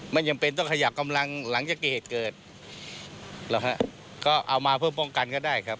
จำเป็นต้องขยับกำลังหลังจากเกิดเหตุเกิดหรอกฮะก็เอามาเพื่อป้องกันก็ได้ครับ